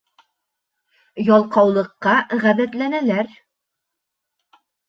Ялҡаулыҡҡа ғәҙәтләнәләр.